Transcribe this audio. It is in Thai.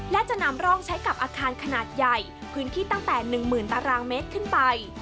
และจะนำร่องใช้กับอาคารขนาดใหญ่พื้นที่ตั้งแต่๑๐๐๐ตารางเมตรขึ้นไป